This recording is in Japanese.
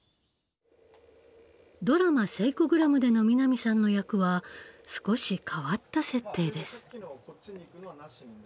ドラマ「セイコグラム」での南さんの役は少し変わった設定です。